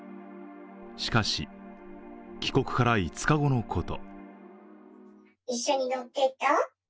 しかし、帰国から５日後のこと。